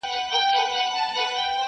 • کورنۍ ورو ورو تيت کيږي تل..